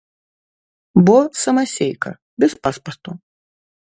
Бо самасейка, без паспарту.